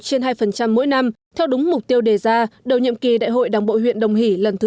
trên hai mỗi năm theo đúng mục tiêu đề ra đầu nhiệm kỳ đại hội đảng bộ huyện đồng hỷ lần thứ hai mươi bốn